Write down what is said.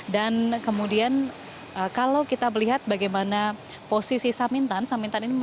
dan kemudian kalau kita melihat bagaimana posisi samintan